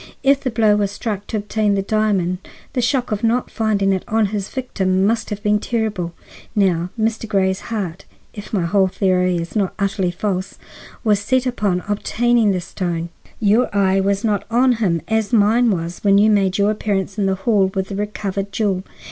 If the blow was struck to obtain the diamond, the shock of not finding it on his victim must have been terrible. Now Mr. Grey's heart, if my whole theory is not utterly false, was set upon obtaining this stone. Your eye was not on him as mine was when you made your appearance in the hall with the recovered jewel.